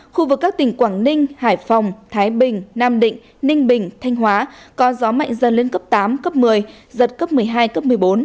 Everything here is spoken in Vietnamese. khu vực các tỉnh quảng ninh hải phòng thái bình nam định ninh bình thanh hóa có gió mạnh dần lên cấp tám cấp một mươi giật cấp một mươi hai cấp một mươi bốn